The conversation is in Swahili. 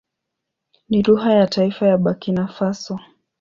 Ni lugha ya taifa ya Burkina Faso.